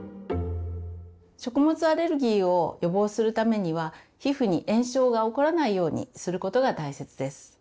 食物アレルギーを予防するためには皮膚に炎症が起こらないようにすることが大切です。